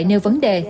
vì lệ nêu vấn đề